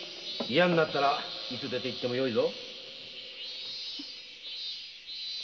嫌になったらいつ出て行ってもよいぞ。